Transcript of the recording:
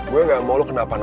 gue gak mau lo kena apa apa